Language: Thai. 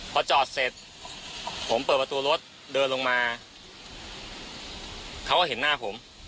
พอจอดเสร็จผมเปิดประตูรถเดินลงมาเขาก็เห็นหน้าผม